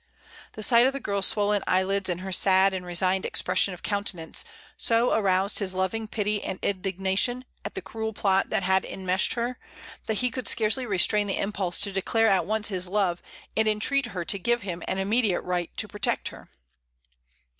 The sight of the girl's swollen eyelids and her sad and resigned expression of countenance so aroused his loving pity and indignation at the cruel plot that had enmeshed her, that he could scarcely restrain the impulse to declare at once his love and entreat her to give him an immediate right to protect her.